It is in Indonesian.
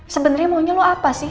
sebenernya maunya lo apa sih